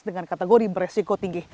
dengan kategori beresiko tinggi